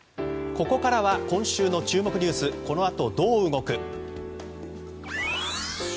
ここからは今週の注目ニュースこの後どう動く？